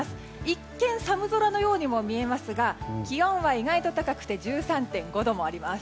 一見、寒空のようにも見えますが気温は意外と高くて１３．５度もあります。